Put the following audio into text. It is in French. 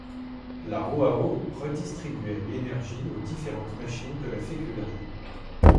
La roue à eau redistribuait l'énergie aux différentes machines de la féculerie.